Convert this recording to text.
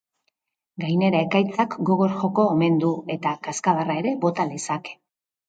Gainera, ekaitzak gogor joko omen du, eta kazkabarra ere bota lezake.